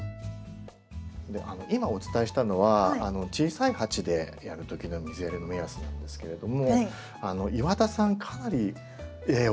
今お伝えしたのは小さい鉢でやる時の水やりの目安なんですけれども岩田さんかなり大きい。